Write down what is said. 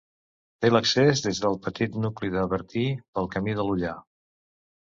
Té l'accés des del petit nucli de Bertí pel Camí de l'Ullar.